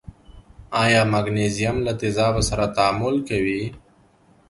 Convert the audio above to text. آیا مګنیزیم له تیزابو سره تعامل کوي؟